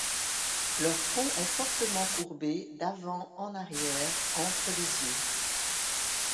Leur front est fortement courbé d'avant en arrière entre les yeux.